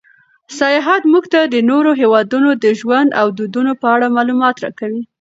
سیاحت موږ ته د نورو هېوادونو د ژوند او دودونو په اړه معلومات راکوي.